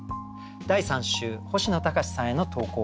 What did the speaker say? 第３週星野高士さんへの投稿。